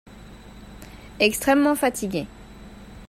Extrêmement fatigué.